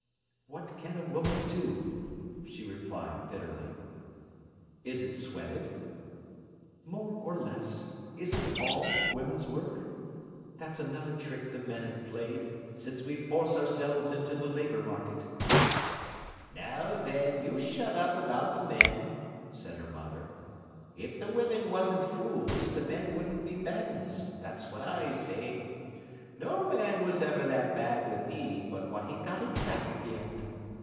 "What can a woman do!" she replied bitterly. "Is it sweated?" "More or less. Isn't all woman's work? That's another trick the men have played, since we force ourselves into the labour market." "Now then, you shut up about the men," said her mother. "If the women wasn't fools, the men wouldn't be bad uns, that's what I say. No man was ever that bad wi' me but what he got it back again.